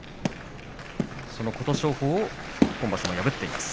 琴勝峰を今場所、破っています。